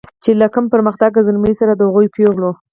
چې له کم پرمختګه زلمیو سره د هغو پیغلو